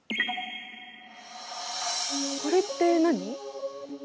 これって何？